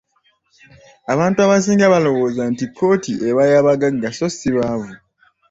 Abantu abasinga balowooza nti kkooti eba y'abagagga so si baavu.